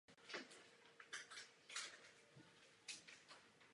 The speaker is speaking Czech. Tato zpráva pokračuje tím směrem, a to je výborné.